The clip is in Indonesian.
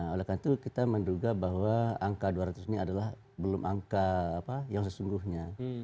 oleh karena itu kita menduga bahwa angka dua ratus ini adalah belum angka yang sesungguhnya